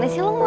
eh man man